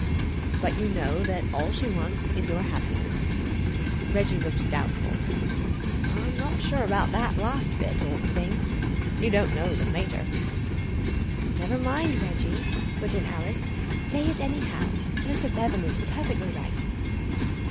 " But you know that all she wants is your happiness " Reggie looked doubtful. "I'm not sure about that last bit, old thing. You don't know the mater!" "Never mind, Reggie," put in Alice. "Say it, anyhow. Mr. Bevan is perfectly right."